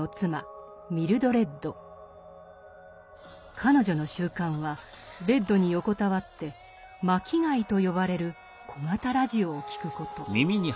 彼女の習慣はベッドに横たわって「巻貝」と呼ばれる小型ラジオを聴くこと。